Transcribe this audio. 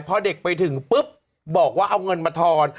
พอเด็กไปถึงปุ๊บบอกว่าเอาเงินมาทอน